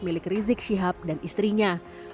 milik rizik syihab dan istrinya